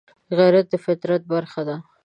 غیرت د فطرت برخه ده